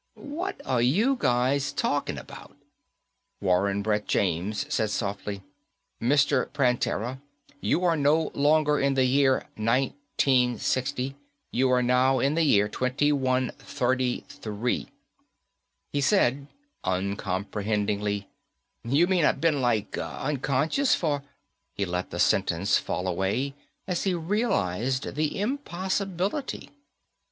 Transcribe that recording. "What are you guys talking about?" Warren Brett James said softly, "Mr. Prantera, you are no longer in the year 1960, you are now in the year 2133." He said, uncomprehendingly, "You mean I been, like, unconscious for " He let the sentence fall away as he realized the impossibility.